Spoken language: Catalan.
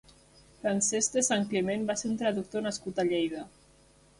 Francesc de Santcliment va ser un traductor nascut a Lleida.